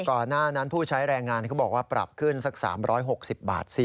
ก่อนหน้านั้นผู้ใช้แรงงานเขาบอกว่าปรับขึ้นสัก๓๖๐บาท